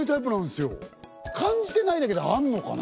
感じてないだけであんのかな？